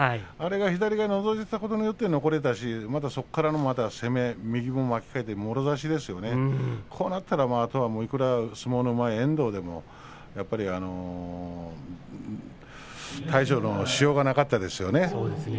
左がのぞいてことによって残れたし、そこから攻め、右も巻き替えてもろ差しですよね、こうなったらもうあとは相撲のうまい遠藤でも対処のしようがなかったですね。